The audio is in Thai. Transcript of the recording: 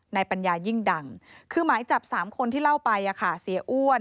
ปัญญายิ่งดังคือหมายจับ๓คนที่เล่าไปเสียอ้วน